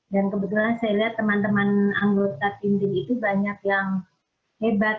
dan kebetulan saya lihat teman teman anggota tintin itu banyak yang hebat